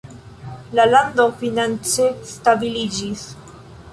La lando finance stabiliĝis.